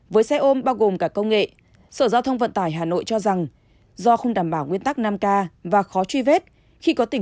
với xe ôm bao gồm cả công nghệ sở giao thông vận tải hà nội cho rằng do không đảm bảo nguyên tắc năm k và khó truy vết